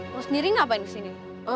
lo sendiri ngapain kesini